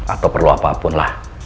atau perlu apapun lah